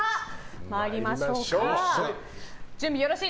参りましょうか。